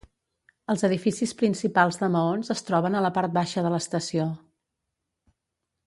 Els edificis principals de maons es troben a la part baixa de l'estació.